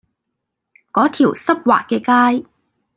嗰條濕滑嘅街